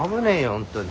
本当に。